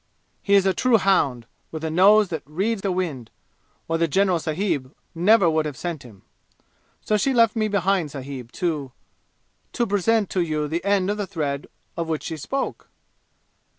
He is a true hound, with a nose that reads the wind, or the general sahib never would have sent him!' So she left me behind, sahib, to to present to you the end of the thread of which she spoke."